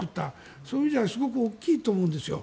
そういう意味じゃすごく大きいと思うんですよ。